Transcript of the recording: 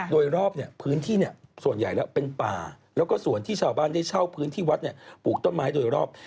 โดยรอบเนี่ยพื้นที่ส่วนใหญ่แล้วเป็นป่าแล้วก็ส่วนที่ชาวบ้านได้เช่าพื้นที่วัดปลูกต้นไม้โดยรอบ